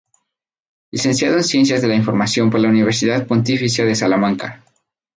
Licenciado en Ciencias de la Información por la Universidad Pontificia de Salamanca.